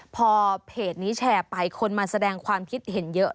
พอเพจนี้แชร์ไปคนมาแสดงความคิดเห็นเยอะ